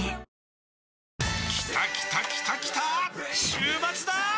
週末だー！